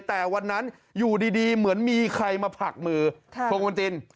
แต่วันนั้นอยู่ดีเหมือนมีใครมาผลักมือชงบนจิน